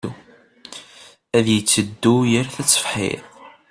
Ad yetteddu yal taṣebḥit.